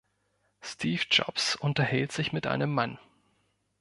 Steve Jobs unterhält sich mit einem Mann.